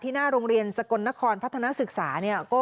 หน้าโรงเรียนสกลนครพัฒนาศึกษาเนี่ย